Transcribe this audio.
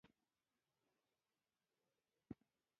انسانان تل یو بل ته حاجتمنده وي.